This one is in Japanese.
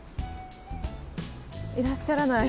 いらっしゃらない。